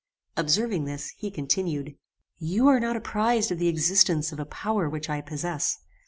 Observing this, he continued "You are not apprized of the existence of a power which I possess.